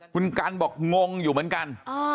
คุณกันบอกงงอยู่เหมือนกัน